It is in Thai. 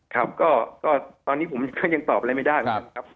ครับก็ตอนนี้ผมก็ยังตอบอะไรไม่ได้ครับ